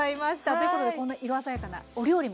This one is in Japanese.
ということでこんな色鮮やかなお料理も登場いたします。